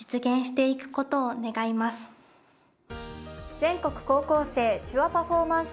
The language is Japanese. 全国高校生手話パフォーマンス